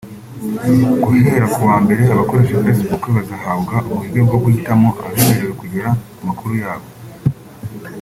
Guhera ku wa Mbere abakoresha Facebook bazahabwa uburyo bwo guhitamo abemerewe kugera ku makuru yabo